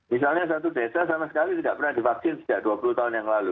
misalnya satu desa sama sekali tidak pernah divaksin sejak dua puluh tahun yang lalu